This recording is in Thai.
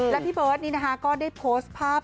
และพี่เบิร์ตนี้นะคะก็ได้โพสต์ภาพ